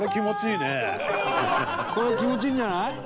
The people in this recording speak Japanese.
これ気持ちいいんじゃない？